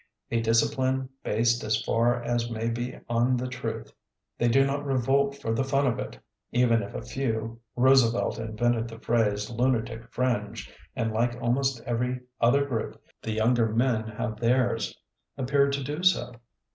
a discipline based as far as may be on the truth. They do not revolt for the fun of it, even if a few — ^Roosevelt in vented the phrase "lunatic fringe", and like almost every other group the younger men have theirs — ^appear to do so.